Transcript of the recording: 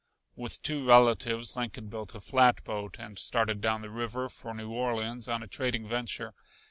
With two relatives Lincoln built a flatboat and started down the river for New Orleans on a trading venture.